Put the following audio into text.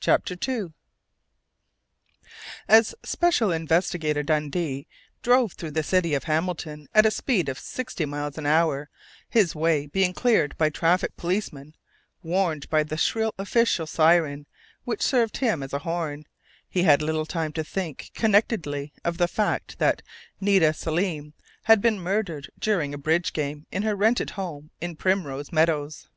CHAPTER TWO As Special Investigator Dundee drove through the city of Hamilton at a speed of sixty miles an hour, his way being cleared by traffic policemen warned by the shrill official siren which served him as a horn, he had little time to think connectedly of the fact that Nita Selim had been murdered during a bridge game in her rented home in Primrose Meadows.